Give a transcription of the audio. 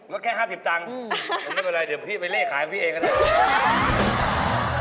แล้วก็แค่๕๐ต่างไม่เป็นไรเดี๋ยวพี่ไปเล่ขายให้พี่เองก็ได้